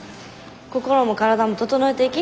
心も体も整えていき。